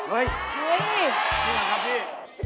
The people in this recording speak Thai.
เฮ่ยที่ไหนครับพี่